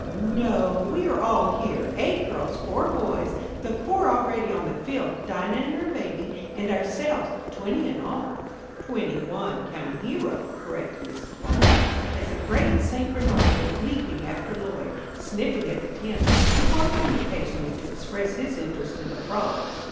"No, we are all here: eight girls, four boys, the four already on the field, Dinah and her baby, and ourselves, twenty in all." "Twenty one, counting Hero," corrected Mrs. Walton, as the great St. Bernard went leaping after Lloyd, sniffing at the tents, and barking occasionally to express his interest in the frolic.